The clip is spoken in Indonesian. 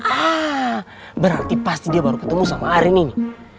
ah berarti pasti dia baru ketemu sama arin ini